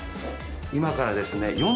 今からですね。